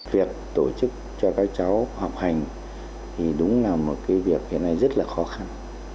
việc tổ chức cho các cháu học hành thì đúng là một cái việc hiện nay rất là khó khăn